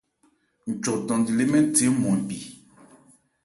Nchɔ thandi lê mɛ́n the ɔ́nmɔn npi.